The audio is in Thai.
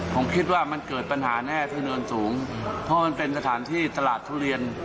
ผมคิดว่ามันเกิดปัญหาแน่ที่เนินสูงเพราะมันเป็นสถานที่ตลาดทุเรียน